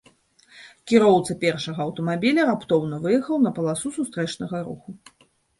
Кіроўца першага аўтамабіля раптоўна выехаў на паласу сустрэчнага руху.